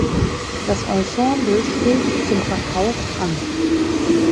Das Ensemble steht zum Verkauf an.